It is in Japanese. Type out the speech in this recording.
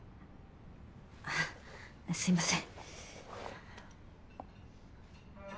あぁすいません。